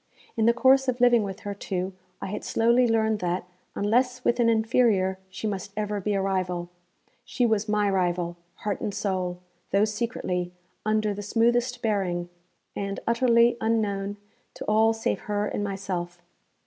In the course of living with her, too, I had slowly learned that, unless with an inferior, she must ever be a rival. She was my rival, heart and soul, though secretly, under the smoothest bearing, and utterly unknown to all save her and myself.